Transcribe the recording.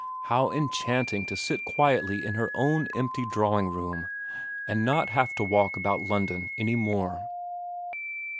How enchanting to sit quietly in her own empty drawing room, and not to have to walk about London any more.